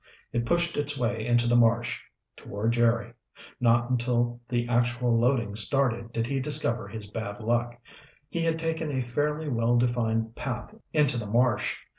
It pushed its way into the marsh, toward Jerry. Not until the actual loading started did he discover his bad luck. He had taken a fairly well defined path into the marsh.